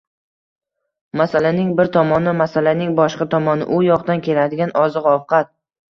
masalaning bir tomoni, masalaning boshqa tomoni — u yoqdan keladigan oziq-ovqat